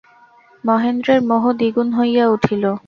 মহেন্দ্রের মোহ দ্বিগুণ হইয়া উঠিল।